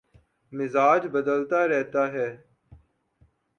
مزاج بدلتا رہتا ہے